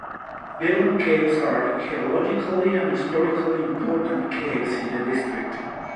Belum Caves are geologically and historically important caves in the district.